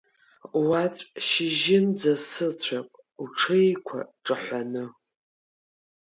Уаҵә шьыжьынӡа сыцәап, уҽеиқәа ҿаҳәаны.